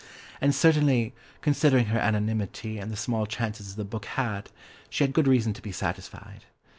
And certainly, considering her anonymity and the small chances the book had, she had good reason to be satisfied.